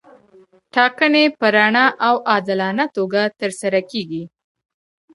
ټاکنې په رڼه او عادلانه توګه ترسره کیږي.